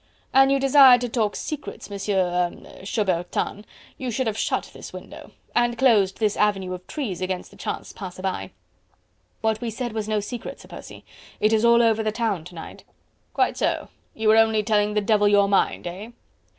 "An you desired to talk secrets, Monsieur... er... Chaubertin... you should have shut this window... and closed this avenue of trees against the chance passer by." "What we said was no secret, Sir Percy. It is all over the town to night." "Quite so... you were only telling the devil your mind... eh?"